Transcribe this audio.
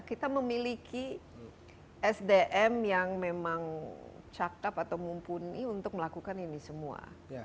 kita memiliki sdm yang memang cakep atau mumpuni untuk melakukan ini semua